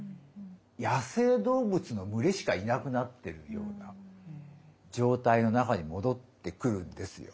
野生動物の群れしかいなくなってるような状態の中に戻ってくるんですよ。